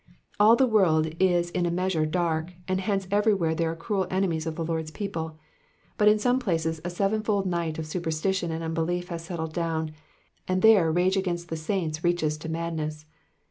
All the world is in a measure dark, and hence everywhere there are cruel enemies of the Lord^s people ; but in some places ^ sevenfold night of superstition and un belief has settled down, and there rage against the saints reaches to madness.